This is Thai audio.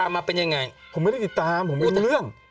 ผมรู้เรื่องบางเรื่อง